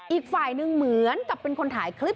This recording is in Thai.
อีกฝ่ายหนึ่งเหมือนกับเป็นคนถ่ายคลิป